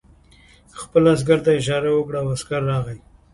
هغه خپل عسکر ته اشاره وکړه او عسکر راغی